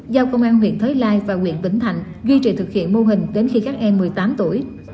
giao công an huyện thới lai và huyện vĩnh thạnh duy trì thực hiện mô hình đến khi các em một mươi tám tuổi